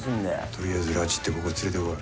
とりあえず拉致ってここ連れて来い。